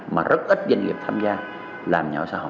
mà rất ít doanh nghiệp tham gia làm nhỏ xã hội